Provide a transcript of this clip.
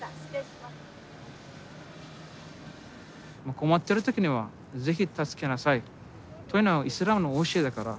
困っている時には是非助けなさいというのがイスラムの教えだから。